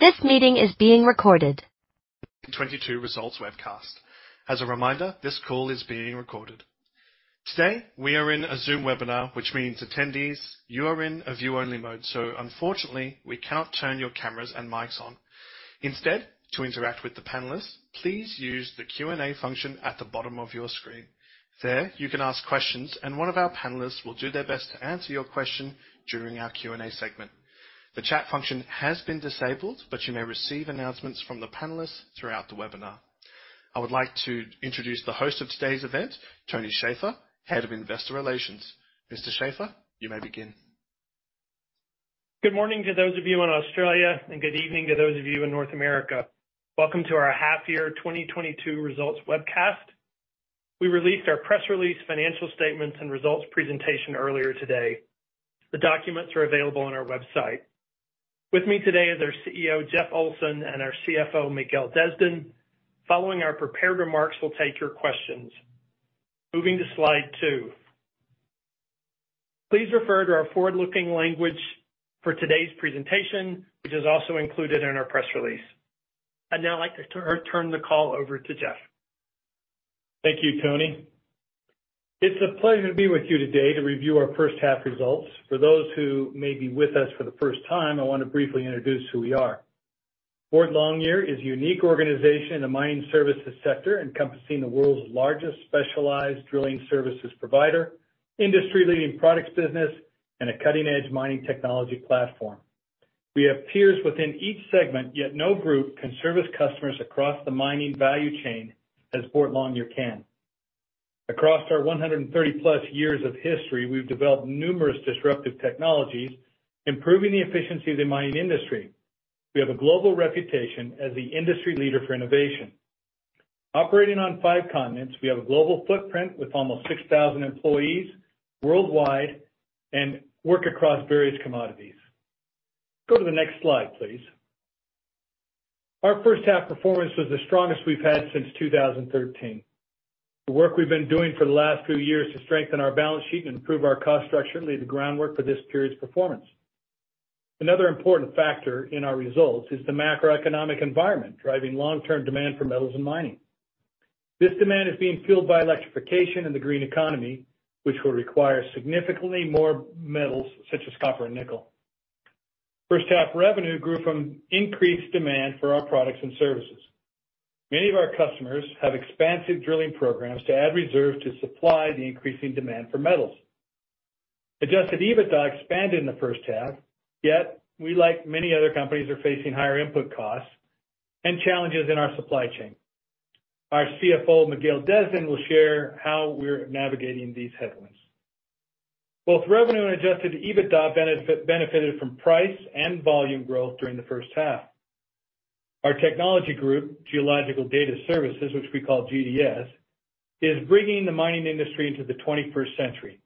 This meeting is being recorded. 2022 results webcast. As a reminder, this call is being recorded. Today, we are in a Zoom webinar, which means attendees, you are in a view-only mode, so unfortunately, we cannot turn your cameras and mics on. Instead, to interact with the panelists, please use the Q&A function at the bottom of your screen. There, you can ask questions, and one of our panelists will do their best to answer your question during our Q&A segment. The chat function has been disabled, but you may receive announcements from the panelists throughout the webinar. I would like to introduce the host of today's event, Tony Shaffer, Head of Investor Relations. Mr. Shaffer, you may begin. Good morning to those of you in Australia, and good evening to those of you in North America. Welcome to our half year 2022 results webcast. We released our press release, financial statements, and results presentation earlier today. The documents are available on our website. With me today is our CEO, Jeff Olsen, and our CFO, Miguel Desdin. Following our prepared remarks, we'll take your questions. Moving to slide two. Please refer to our forward-looking language for today's presentation, which is also included in our press release. I'd now like to turn the call over to Jeff. Thank you, Tony. It's a pleasure to be with you today to review our first half results. For those who may be with us for the first time, I wanna briefly introduce who we are. Boart Longyear is a unique organization in the mining services sector, encompassing the world's largest specialized drilling services provider, industry-leading products business, and a cutting-edge mining technology platform. We have peers within each segment, yet no group can service customers across the mining value chain as Boart Longyear can. Across our 130-plus years of history, we've developed numerous disruptive technologies, improving the efficiency of the mining industry. We have a global reputation as the industry leader for innovation. Operating on five continents, we have a global footprint with almost 6,000 employees worldwide and work across various commodities. Go to the next slide, please. Our first half performance was the strongest we've had since 2013. The work we've been doing for the last few years to strengthen our balance sheet and improve our cost structure laid the groundwork for this period's performance. Another important factor in our results is the macroeconomic environment, driving long-term demand for metals and mining. This demand is being fueled by electrification in the green economy, which will require significantly more metals, such as copper and nickel. First half revenue grew from increased demand for our products and services. Many of our customers have expansive drilling programs to add reserve to supply the increasing demand for metals. Adjusted EBITDA expanded in the first half, yet we, like many other companies, are facing higher input costs and challenges in our supply chain. Our CFO, Miguel Desdin, will share how we're navigating these headwinds. Both revenue and adjusted EBITDA benefited from price and volume growth during the first half. Our technology group, Geological Data Services, which we call GDS, is bringing the mining industry into the 21st century.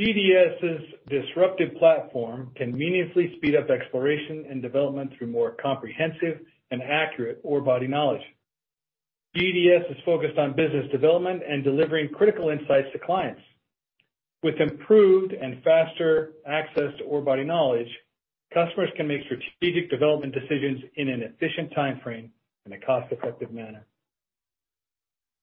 GDS' disruptive platform can meaningfully speed up exploration and development through more comprehensive and accurate ore body knowledge. GDS is focused on business development and delivering critical insights to clients. With improved and faster access to ore body knowledge, customers can make strategic development decisions in an efficient timeframe in a cost-effective manner.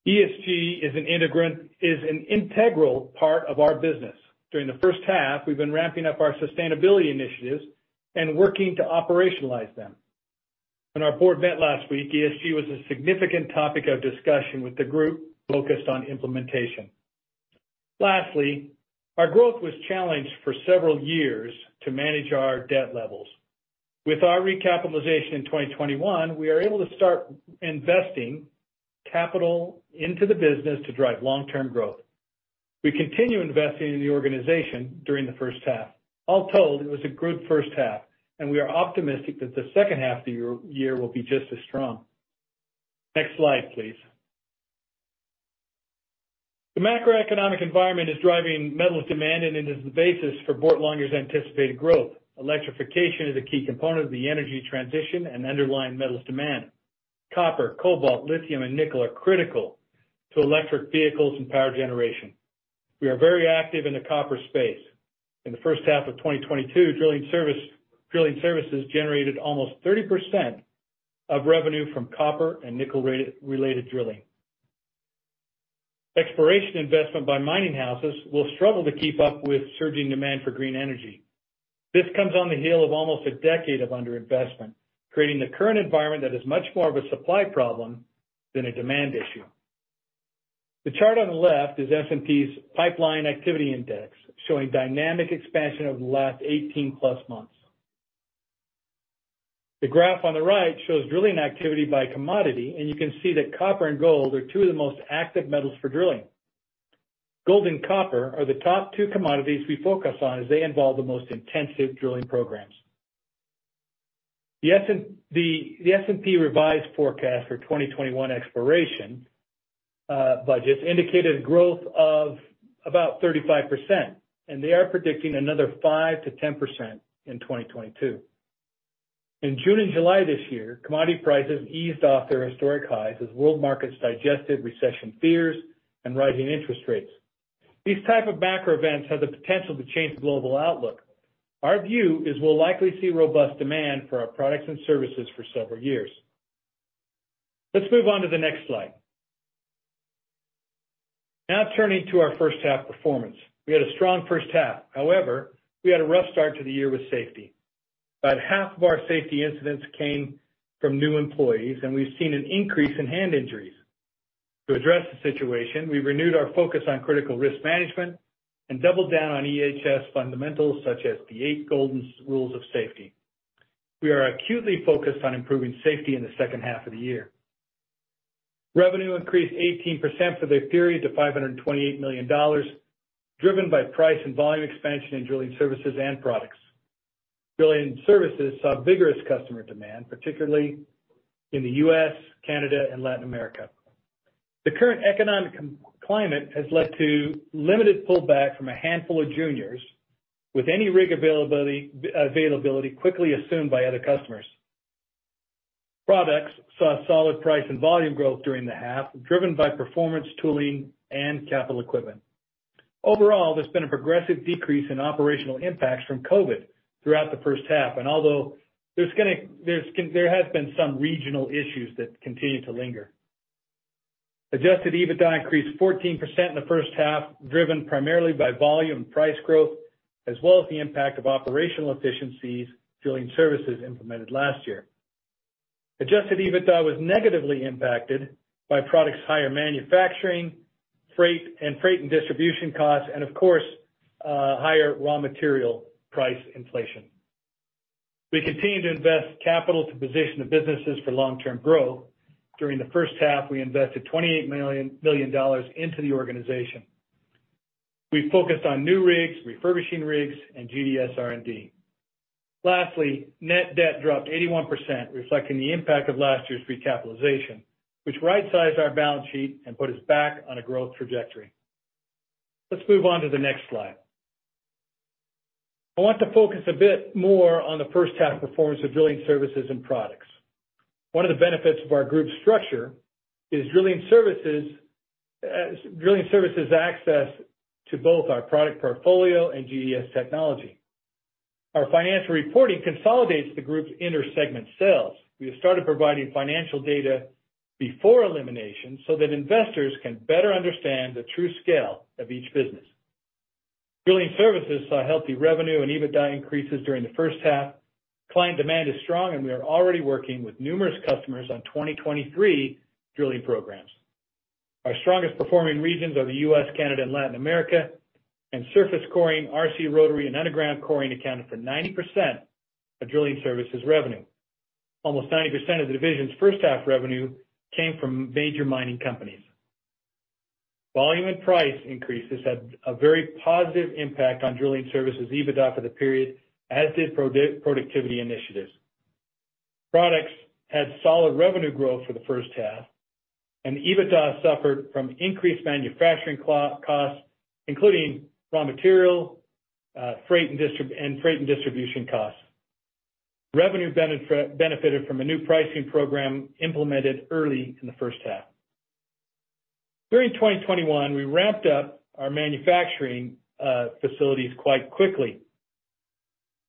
ESG is an integral part of our business. During the first half, we've been ramping up our sustainability initiatives and working to operationalize them. When our board met last week, ESG was a significant topic of discussion, with the group focused on implementation. Lastly, our growth was challenged for several years to manage our debt levels. With our recapitalization in 2021, we are able to start investing capital into the business to drive long-term growth. We continue investing in the organization during the first half. All told, it was a good first half, and we are optimistic that the second half of the year will be just as strong. Next slide, please. The macroeconomic environment is driving metals demand, and it is the basis for Boart Longyear's anticipated growth. Electrification is a key component of the energy transition and underlying metals demand. Copper, cobalt, lithium, and nickel are critical to electric vehicles and power generation. We are very active in the copper space. In the first half of 2022, drilling services generated almost 30% of revenue from copper and nickel-related drilling. Exploration investment by mining houses will struggle to keep up with surging demand for green energy. This comes on the heels of almost a decade of underinvestment, creating the current environment that is much more of a supply problem than a demand issue. The chart on the left is S&P's pipeline activity index, showing dynamic expansion over the last 18+ months. The graph on the right shows drilling activity by commodity, and you can see that copper and gold are two of the most active metals for drilling. Gold and copper are the top two commodities we focus on, as they involve the most intensive drilling programs. The S&P revised forecast for 2021 exploration budgets indicated growth of about 35%, and they are predicting another 5%-10% in 2022. In June and July this year, commodity prices eased off their historic highs as world markets digested recession fears and rising interest rates. These type of macro events have the potential to change the global outlook. Our view is we'll likely see robust demand for our products and services for several years. Let's move on to the next slide. Now turning to our first half performance. We had a strong first half. However, we had a rough start to the year with safety. About half of our safety incidents came from new employees, and we've seen an increase in hand injuries. To address the situation, we renewed our focus on critical risk management and doubled down on EHS fundamentals such as the eight Golden Rules of Safety. We are acutely focused on improving safety in the second half of the year. Revenue increased 18% for the period to $528 million, driven by price and volume expansion in drilling services and products. Drilling services saw vigorous customer demand, particularly in the U.S., Canada, and Latin America. The current economic climate has led to limited pullback from a handful of juniors with any rig availability quickly assumed by other customers. Products saw solid price and volume growth during the half, driven by performance tooling and capital equipment. Overall, there's been a progressive decrease in operational impacts from COVID throughout the first half, and although there has been some regional issues that continue to linger. Adjusted EBITDA increased 14% in the first half, driven primarily by volume price growth, as well as the impact of operational efficiencies drilling services implemented last year. Adjusted EBITDA was negatively impacted by products' higher manufacturing, freight and distribution costs, and of course, higher raw material price inflation. We continue to invest capital to position the businesses for long-term growth. During the first half, we invested $28 million into the organization. We focused on new rigs, refurbishing rigs, and GDS R&D. Lastly, net debt dropped 81%, reflecting the impact of last year's recapitalization, which right-sized our balance sheet and put us back on a growth trajectory. Let's move on to the next slide. I want to focus a bit more on the first half performance of Drilling Services and Products. One of the benefits of our group structure is Drilling Services access to both our product portfolio and GDS technology. Our financial reporting consolidates the group's inter-segment sales. We have started providing financial data before elimination so that investors can better understand the true scale of each business. Drilling Services saw healthy revenue and EBITDA increases during the first half. Client demand is strong, and we are already working with numerous customers on 2023 drilling programs. Our strongest performing regions are the U.S., Canada, and Latin America, and surface coring, RC rotary, and underground coring accounted for 90% of drilling services revenue. Almost 90% of the division's first half revenue came from major mining companies. Volume and price increases had a very positive impact on drilling services EBITDA for the period, as did productivity initiatives. Products had solid revenue growth for the first half, and EBITDA suffered from increased manufacturing costs, including raw material, freight and distribution costs. Revenue benefited from a new pricing program implemented early in the first half. During 2021, we ramped up our manufacturing facilities quite quickly.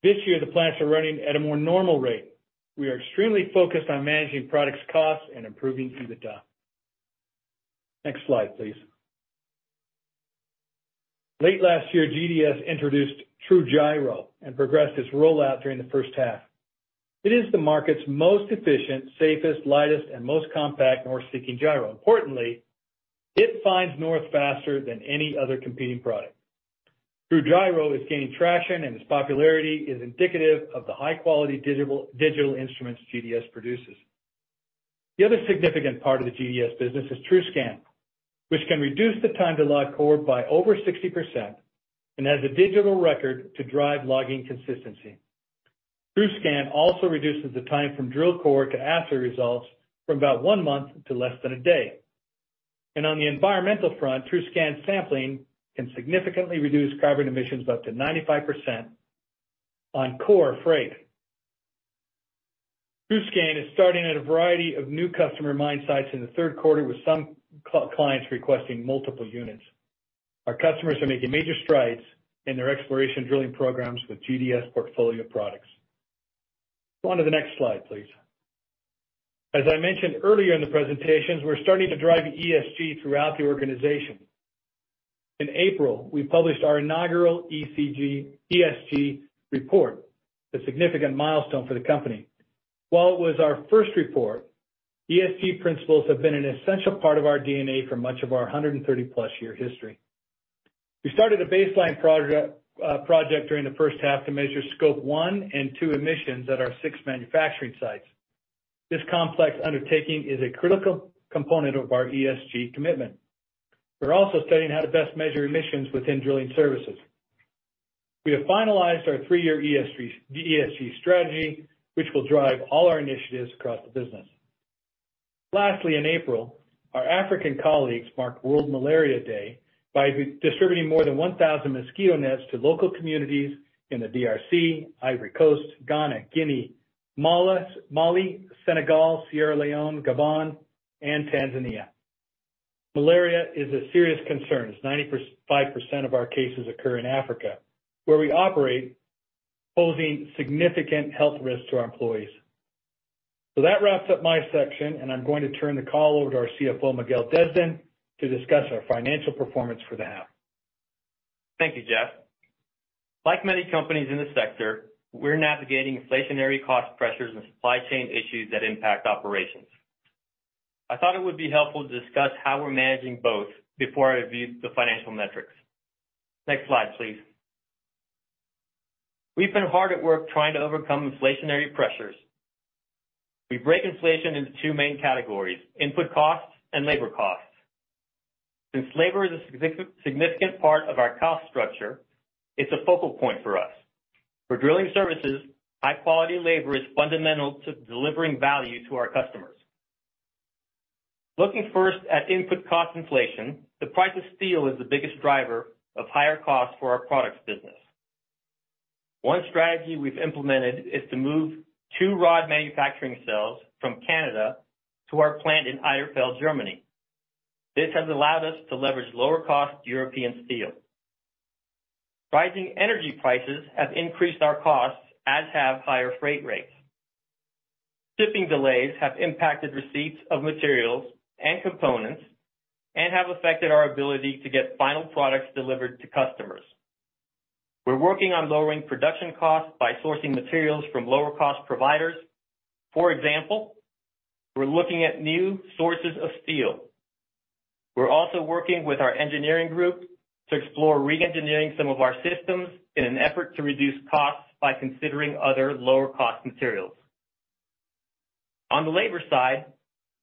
This year, the plants are running at a more normal rate. We are extremely focused on managing product costs and improving EBITDA. Next slide, please. Late last year, GDS introduced TruGyro and progressed its rollout during the first half. It is the market's most efficient, safest, lightest, and most compact north-seeking gyro. Importantly, it finds north faster than any other competing product. TruGyro is gaining traction, and its popularity is indicative of the high-quality digital instruments GDS produces. The other significant part of the GDS business is TruScan, which can reduce the time to log core by over 60% and has a digital record to drive logging consistency. TruScan also reduces the time from drill core to assay results from about one month to less than a day. On the environmental front, TruScan sampling can significantly reduce carbon emissions up to 95% on core freight. TruScan is starting at a variety of new customer mine sites in the third quarter, with some clients requesting multiple units. Our customers are making major strides in their exploration drilling programs with GDS portfolio products. Go on to the next slide, please. As I mentioned earlier in the presentations, we're starting to drive ESG throughout the organization. In April, we published our inaugural ESG report, a significant milestone for the company. While it was our first report, ESG principles have been an essential part of our DNA for much of our 130-plus year history. We started a baseline project during the first half to measure Scope 1 and 2 emissions at our six manufacturing sites. This complex undertaking is a critical component of our ESG commitment. We're also studying how to best measure emissions within drilling services. We have finalized our three-year ESG strategy, which will drive all our initiatives across the business. Lastly, in April, our African colleagues marked World Malaria Day by distributing more than 1,000 mosquito nets to local communities in the DRC, Ivory Coast, Ghana, Guinea, Mali, Senegal, Sierra Leone, Gabon, and Tanzania. Malaria is a serious concern, as 95% of our cases occur in Africa, where we operate, posing significant health risks to our employees. That wraps up my section, and I'm going to turn the call over to our CFO, Miguel Desdin, to discuss our financial performance for the half. Thank you, Jeff. Like many companies in this sector, we're navigating inflationary cost pressures and supply chain issues that impact operations. I thought it would be helpful to discuss how we're managing both before I review the financial metrics. Next slide, please. We've been hard at work trying to overcome inflationary pressures. We break inflation into two main categories, input costs and labor costs. Since labor is a significant part of our cost structure, it's a focal point for us. For drilling services, high quality labor is fundamental to delivering value to our customers. Looking first at input cost inflation, the price of steel is the biggest driver of higher costs for our products business. One strategy we've implemented is to move two rod manufacturing cells from Canada to our plant in Eiterfeld, Germany. This has allowed us to leverage lower cost European steel. Rising energy prices have increased our costs, as have higher freight rates. Shipping delays have impacted receipts of materials and components and have affected our ability to get final products delivered to customers. We're working on lowering production costs by sourcing materials from lower cost providers. For example, we're looking at new sources of steel. We're also working with our engineering group to explore re-engineering some of our systems in an effort to reduce costs by considering other lower cost materials. On the labor side,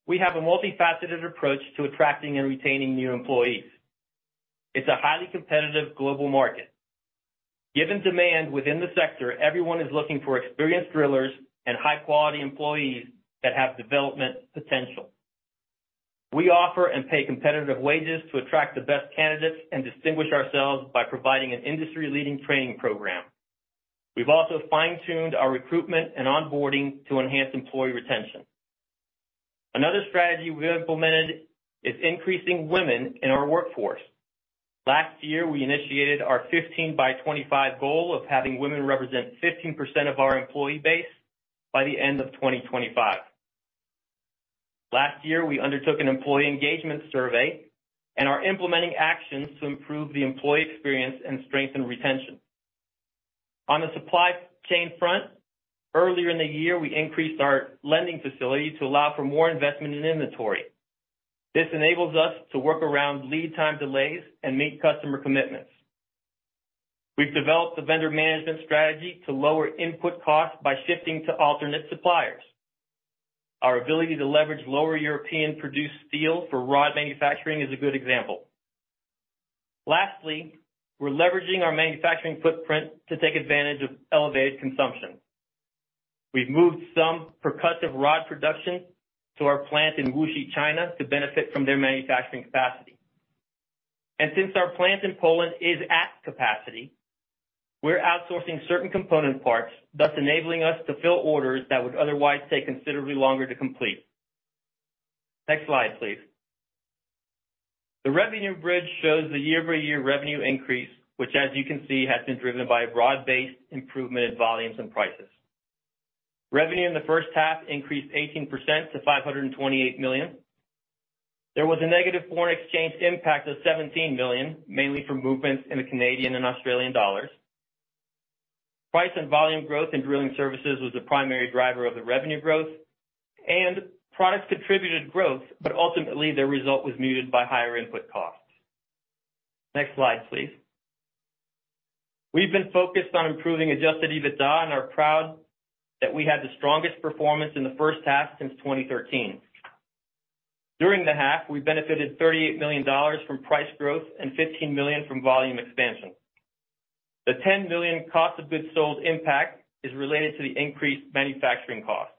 we have a multifaceted approach to attracting and retaining new employees. It's a highly competitive global market. Given demand within the sector, everyone is looking for experienced drillers and high quality employees that have development potential. We offer and pay competitive wages to attract the best candidates and distinguish ourselves by providing an industry-leading training program. We've also fine-tuned our recruitment and onboarding to enhance employee retention. Another strategy we've implemented is increasing women in our workforce. Last year, we initiated our 15x25 goal of having women represent 15% of our employee base by the end of 2025. Last year, we undertook an employee engagement survey and are implementing actions to improve the employee experience and strengthen retention. On the supply chain front, earlier in the year, we increased our lending facility to allow for more investment in inventory. This enables us to work around lead time delays and meet customer commitments. We've developed a vendor management strategy to lower input costs by shifting to alternate suppliers. Our ability to leverage lower European produced steel for rod manufacturing is a good example. Lastly, we're leveraging our manufacturing footprint to take advantage of elevated consumption. We've moved some percussive rod production to our plant in Wuxi, China to benefit from their manufacturing capacity. Since our plant in Poland is at capacity, we're outsourcing certain component parts, thus enabling us to fill orders that would otherwise take considerably longer to complete. Next slide, please. The revenue bridge shows the year-over-year revenue increase, which as you can see, has been driven by a broad-based improvement in volumes and prices. Revenue in the first half increased 18% to $528 million. There was a negative foreign exchange impact of $17 million, mainly from movements in the Canadian and Australian dollars. Price and volume growth in drilling services was the primary driver of the revenue growth, and products contributed growth, but ultimately, their result was muted by higher input costs. Next slide, please. We've been focused on improving adjusted EBITDA and are proud that we had the strongest performance in the first half since 2013. During the half, we benefited $38 million from price growth and $15 million from volume expansion. The $10 million cost of goods sold impact is related to the increased manufacturing costs.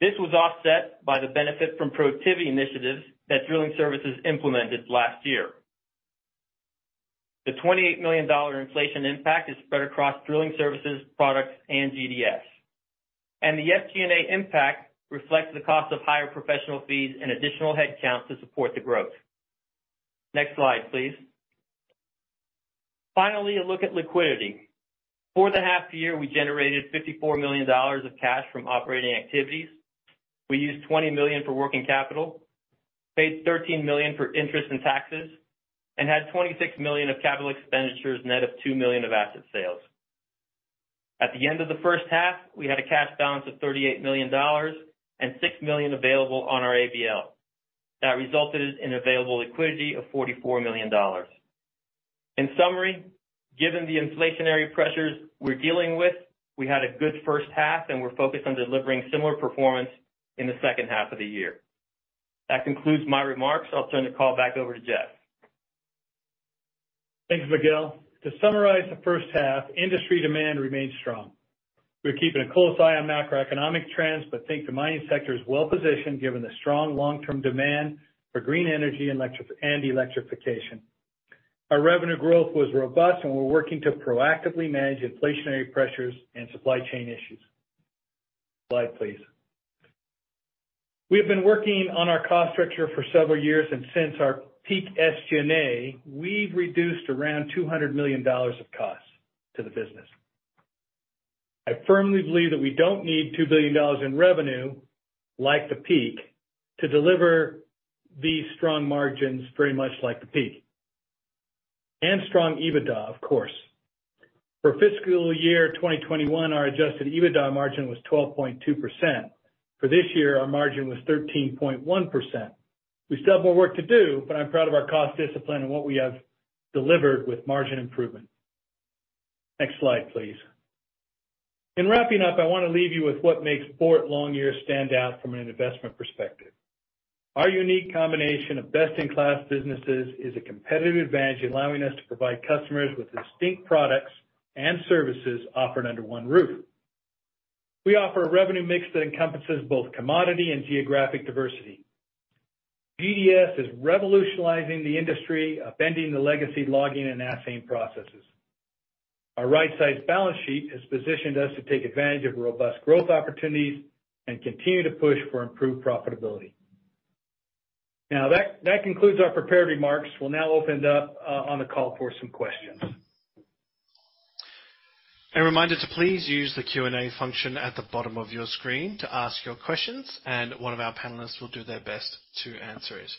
This was offset by the benefit from productivity initiatives that drilling services implemented last year. The $28 million inflation impact is spread across drilling services, products, and GDS. The SG&A impact reflects the cost of higher professional fees and additional headcount to support the growth. Next slide, please. Finally, a look at liquidity. For the half year, we generated $54 million of cash from operating activities. We used $20 million for working capital, paid $13 million for interest and taxes, and had $26 million of capital expenditures net of $2 million of asset sales. At the end of the first half, we had a cash balance of $38 million and $6 million available on our ABL. That resulted in available liquidity of $44 million. In summary, given the inflationary pressures we're dealing with, we had a good first half, and we're focused on delivering similar performance in the second half of the year. That concludes my remarks. I'll turn the call back over to Jeff. Thanks, Miguel. To summarize the first half, industry demand remains strong. We're keeping a close eye on macroeconomic trends but think the mining sector is well-positioned given the strong long-term demand for green energy and electrification. Our revenue growth was robust, and we're working to proactively manage inflationary pressures and supply chain issues. Slide, please. We have been working on our cost structure for several years, and since our peak SG&A, we've reduced around $200 million of costs to the business. I firmly believe that we don't need $2 billion in revenue like the peak to deliver these strong margins pretty much like the peak, and strong EBITDA, of course. For fiscal year 2021, our adjusted EBITDA margin was 12.2%. For this year, our margin was 13.1%. We still have more work to do, but I'm proud of our cost discipline and what we have delivered with margin improvement. Next slide, please. In wrapping up, I wanna leave you with what makes Boart Longyear stand out from an investment perspective. Our unique combination of best-in-class businesses is a competitive advantage allowing us to provide customers with distinct products and services offered under one roof. We offer a revenue mix that encompasses both commodity and geographic diversity. GDS is revolutionizing the industry, upending the legacy logging and assaying processes. Our right-sized balance sheet has positioned us to take advantage of robust growth opportunities and continue to push for improved profitability. Now that concludes our prepared remarks. We'll now open it up on the call for some questions. A reminder to please use the Q&A function at the bottom of your screen to ask your questions, and one of our panelists will do their best to answer it.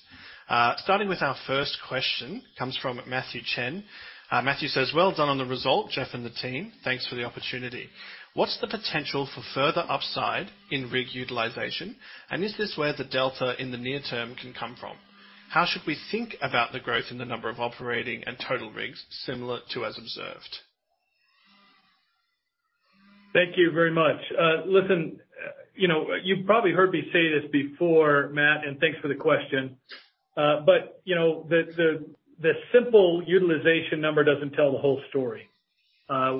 Starting with our first question, comes from Matthew Chen. Matthew says, "Well done on the result, Jeff and the team. Thanks for the opportunity. What's the potential for further upside in rig utilization, and is this where the delta in the near term can come from? How should we think about the growth in the number of operating and total rigs similar to as observed? Thank you very much. Listen, you know, you probably heard me say this before, Matt, and thanks for the question. You know, the simple utilization number doesn't tell the whole story.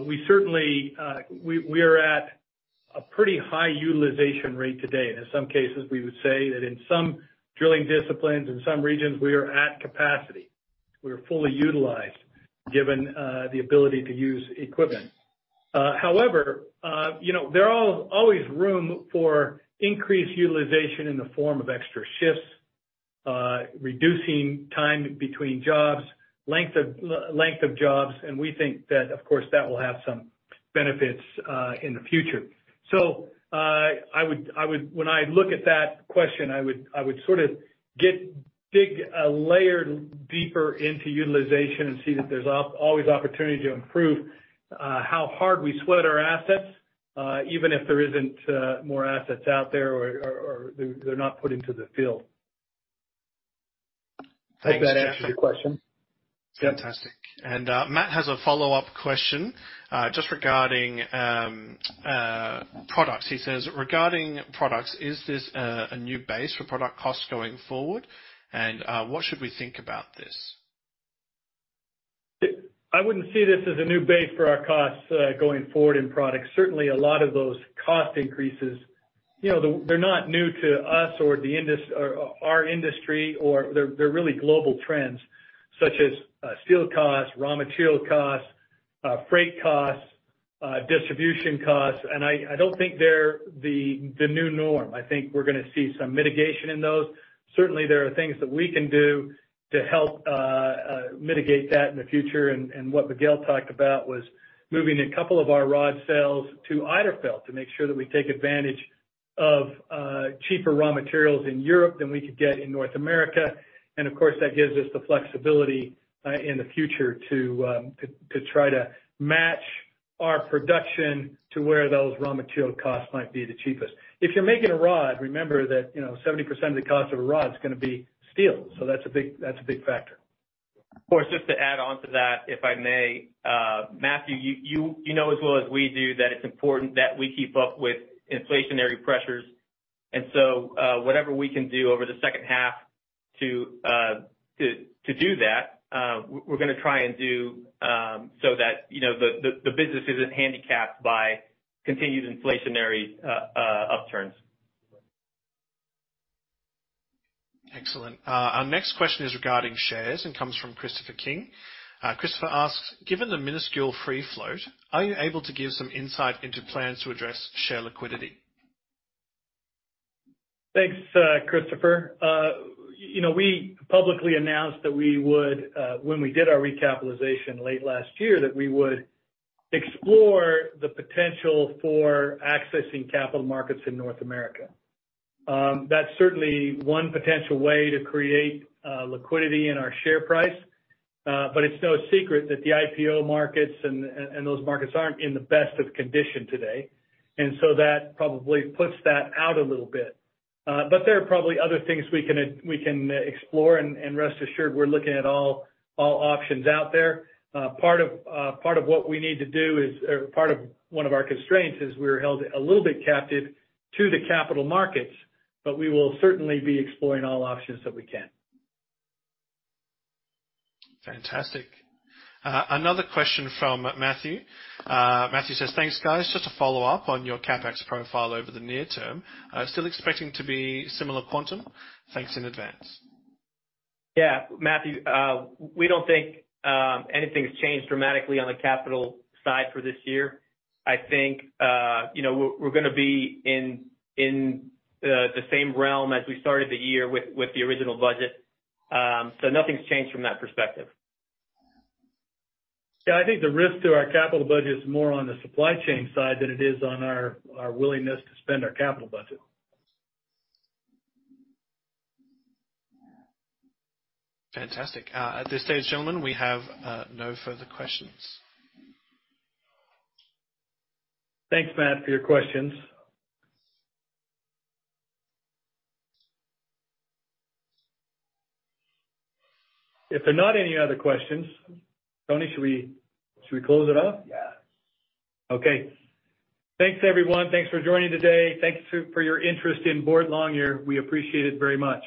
We certainly are at a pretty high utilization rate today. In some cases, we would say that in some drilling disciplines, in some regions, we are at capacity. We are fully utilized, given the ability to use equipment. However, you know, there are always room for increased utilization in the form of extra shifts, reducing time between jobs, length of jobs, and we think that, of course, that will have some benefits in the future. When I look at that question, I would sort of dig a little deeper into utilization and see that there's always opportunity to improve how hard we sweat our assets, even if there isn't more assets out there or they're not put into the field. Thanks, Jeff. Hope that answers your question. Fantastic. Matt has a follow-up question just regarding products. He says, "Regarding products, is this a new base for product costs going forward? And what should we think about this? I wouldn't see this as a new base for our costs going forward in products. Certainly, a lot of those cost increases, you know, they're not new to us or our industry. They're really global trends, such as steel costs, raw material costs, freight costs, distribution costs, and I don't think they're the new norm. I think we're gonna see some mitigation in those. Certainly, there are things that we can do to help mitigate that in the future. What Miguel talked about was moving a couple of our rod cells to Eiterfeld to make sure that we take advantage of cheaper raw materials in Europe than we could get in North America. Of course, that gives us the flexibility in the future to try to match our production to where those raw material costs might be the cheapest. If you're making a rod, remember that, you know, 70% of the cost of a rod is gonna be steel. That's a big factor. Of course, just to add on to that, if I may. Matthew, you know as well as we do that it's important that we keep up with inflationary pressures. Whatever we can do over the second half to do that, we're gonna try and do, so that, you know, the business isn't handicapped by continued inflationary upturns. Excellent. Our next question is regarding shares and comes from Christopher King. Christopher asks, "Given the minuscule free float, are you able to give some insight into plans to address share liquidity? Thanks, Christopher. You know, we publicly announced that we would, when we did our recapitalization late last year, that we would explore the potential for accessing capital markets in North America. That's certainly one potential way to create liquidity in our share price. But it's no secret that the IPO markets and those markets aren't in the best of condition today. That probably puts that out a little bit. But there are probably other things we can explore, and rest assured we're looking at all options out there. Part of one of our constraints is we're held a little bit captive to the capital markets, but we will certainly be exploring all options that we can. Fantastic. Another question from Matthew. Matthew says, "Thanks, guys. Just to follow up on your CapEx profile over the near term, still expecting to be similar quantum? Thanks in advance. Yeah. Matthew, we don't think anything's changed dramatically on the capital side for this year. I think you know, we're gonna be in the same realm as we started the year with the original budget. Nothing's changed from that perspective. Yeah. I think the risk to our capital budget is more on the supply chain side than it is on our willingness to spend our capital budget. Fantastic. At this stage, gentlemen, we have no further questions. Thanks, Matt, for your questions. If there are not any other questions, Tony, should we close it up? Yes. Okay. Thanks, everyone. Thanks for joining today. Thanks too for your interest in Boart Longyear. We appreciate it very much.